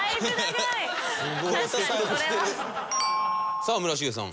さあ村重さん。